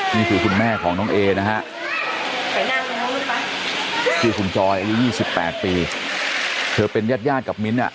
นี่คือคุณแม่ของน้องเอนะฮะใช่คุณจอยอายุ๒๘ปีเธอเป็นญาติย่านกับมิ้นอ่ะ